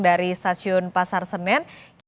dari stasiun pasar senen